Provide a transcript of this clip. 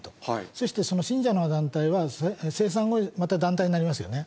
そしてその信者の団体は、清算後、また団体になりますよね。